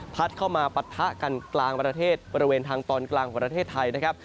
เข้ามาปะทะกันกลางประเทศบริเวณทางตอนกลางของประเทศไทยนะครับ